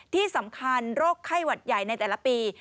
ที่สำคัญโรคไข้หวัดใหญ่ในแต่ละปี